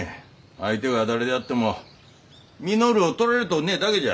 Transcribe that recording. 相手が誰であっても稔をとられとうねえだけじゃ。